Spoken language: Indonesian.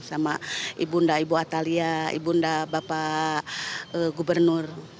sama ibu unda ibu atalia ibu unda bapak gubernur